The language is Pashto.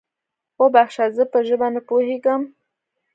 وبخښه، زه په ژبه نه پوهېږم؟